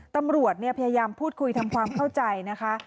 ตำรวจพยายามพูดคุยทำความเข้าใจนะคะ